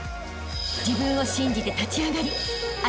［自分を信じて立ち上がりあしたへ